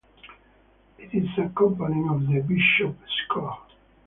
It is a component of the Bishop score.